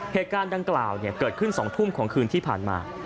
เหตุการณ์ดังกล่าวเกิดขึ้น๒ทุ่มของคืนที่ผ่านมา